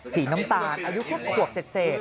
สีน้ำตาลอายุแค่ขวบเศษ